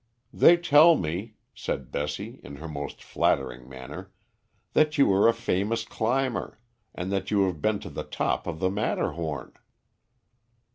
"They tell me," said Bessie, in her most flattering manner, "that you are a famous climber, and that you have been to the top of the Matterhorn."